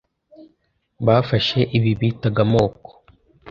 bafashe ibi bitaga amoko